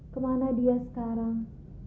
kemana dia sekarang